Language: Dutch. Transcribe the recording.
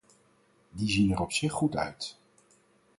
Die zien er op zich goed uit.